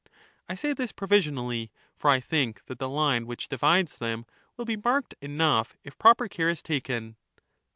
I say this provisionally, for I think that the line which divides them will be marked enough if proper care is taken.